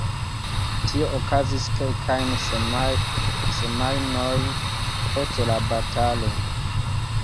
Tio okazis kelkajn semajnojn post la batalo.